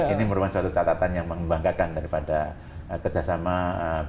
ini merupakan suatu catatan yang membanggakan daripada kerjasama bumn